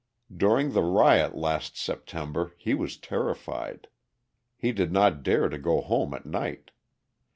During the riot last September he was terrified: he did not dare to go home at night.